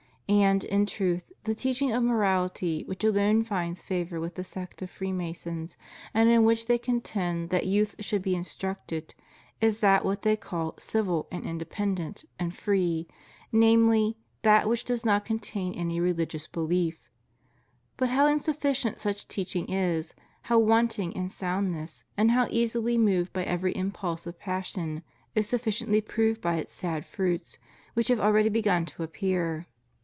And, in truth, the teaching of moraUty which alone finds favor with the sect of Freemasons, and in which they contend that youth should be instructed, is that which they call "civil," and "independent," and "free," namely, that which does not contain any rehgious belief. But how insufficient such teaching is, how want ing in soundness, and how easily moved by every impulse of passion, is sufficiently proved by its sad fruits, which have already begun to appear.